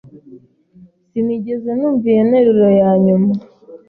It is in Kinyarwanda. Sinigeze numva iyo nteruro yanyuma.